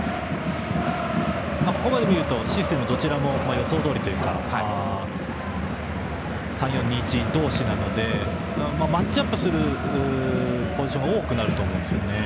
ここまで見るとシステムはどちらも予想どおりというか３−４−２−１同士なのでマッチアップするポジションが多くなると思うんですよね。